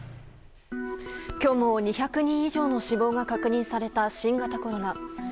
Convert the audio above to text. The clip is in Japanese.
今日も２００人以上の死亡が確認された新型コロナ。